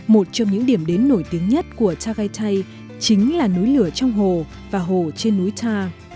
một trong những điểm đến nổi tiếng nhất của tagaytay chính là núi lửa trong hồ và hồ trên núi ta